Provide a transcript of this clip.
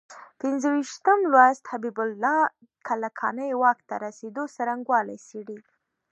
پنځه ویشتم لوست حبیب الله کلکاني واک ته رسېدو څرنګوالی څېړي.